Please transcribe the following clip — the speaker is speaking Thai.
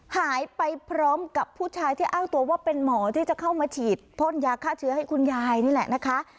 หายไปพร้อมกับผู้ชายที่อ้างตัวว่าเป็นหมอที่จะเข้ามาฉีดพ่นยาฆ่าเชื้อให้คุณยายนี่แหละนะคะ